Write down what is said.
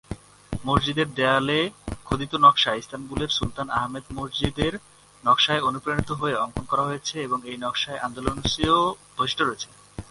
মসজিদের দেয়ালে খোদিত নকশা ইস্তানবুলের সুলতান আহমেদ মসজিদের নকশায় অণুপ্রাণিত হয়ে অঙ্কন করা হয়েছে এবং এই নকশায় আন্দালুশীয় বৈশিষ্ট্য রয়েছে।